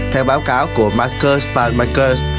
theo báo cáo của marker star markers